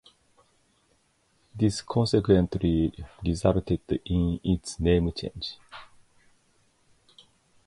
This consequently resulted in its name change.